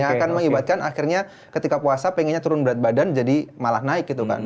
yang akan mengibatkan akhirnya ketika puasa pengennya turun berat badan jadi malah naik gitu kan